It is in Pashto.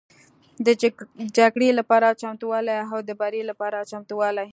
د جګړې لپاره چمتووالی او د بري لپاره چمتووالی